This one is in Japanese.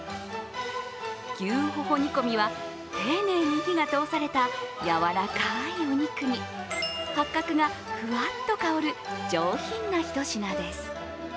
牛ホホ煮込みは、丁寧に火が通された柔らかいお肉に八角がふわっと香る上品なひと品です。